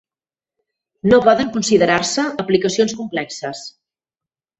No poden considerar-se aplicacions complexes.